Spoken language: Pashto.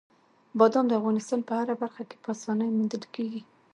بادام د افغانستان په هره برخه کې په اسانۍ موندل کېږي.